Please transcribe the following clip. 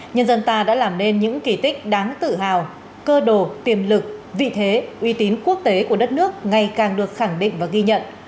nhân dân ta đã làm nên những kỳ tích đáng tự hào cơ đồ tiềm lực vị thế uy tín quốc tế của đất nước ngày càng được khẳng định và ghi nhận